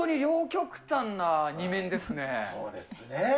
そうですね。